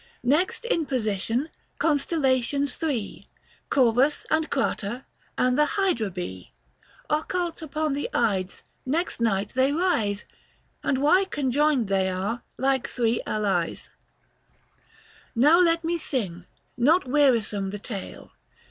Next in position, constellations three, Corvus, and Crater, and the Hydra be, 250 Occult upon the Ides, next night they rise ; And why conjoined they are, like three allies Now let me sing, not wearisome the tale.